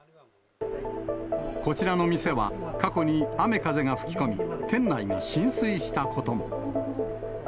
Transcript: こちらの店は、過去に雨風が吹き込み、店内が浸水したことも。